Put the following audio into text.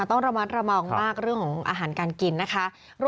ต้องระมัดระวังมากเรื่องของอาหารการกินนะคะ